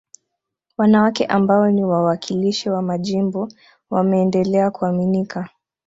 Wanawake ambao ni wawakilishi wa majimbo wameendelea kuaminika